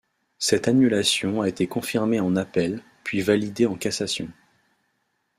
Cette annulation a été confirmée en appel, puis validée en cassation.